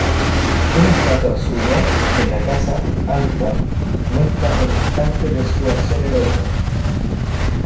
Una estatua suya en la casa alta muestra el instante de su acción heroica.